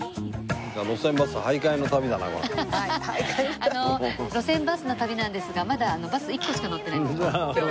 あの路線バスの旅なんですがまだバス１個しか乗ってないんです今日。